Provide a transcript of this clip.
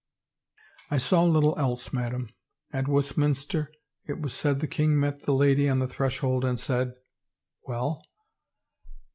" I saw little else, madame. At Westminster it was said the king met the lady on the threshold and said —" "Well?"